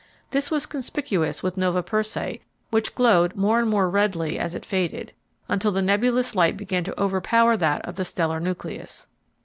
This was conspicuous with Nova Persei which glowed more and more redly as it faded, until the nebulous light began to overpower that of the stellar nucleus.